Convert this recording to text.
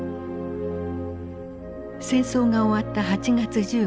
戦争が終わった８月１５日。